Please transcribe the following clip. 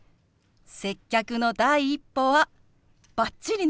接客の第一歩はバッチリね。